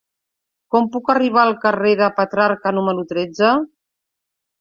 Com puc arribar al carrer de Petrarca número tretze?